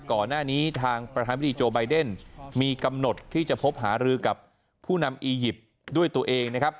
ก่อนหน้านี้ทางประธานพิธีโจไบเดนมีกำหนดที่จะพบหารือกับผู้นำอียิปต์ด้วยตัวเองนะครับ